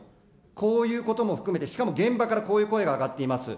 こういうことも含めて、しかも現場からこういう声が上がっています。